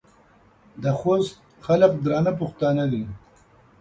د خوست خلک درانه پښتانه دي.